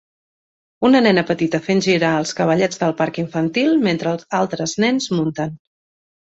Una nena petita fent girar els cavallets del parc infantil mentre altres nens munten.